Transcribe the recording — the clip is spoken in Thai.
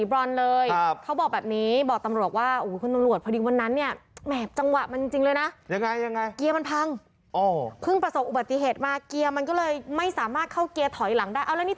เราไม่รู้ว่ารูดท่านหลางใครผมฝากด้วยเผื่อบอกหน่อยอย่าทำแบบนี้เลย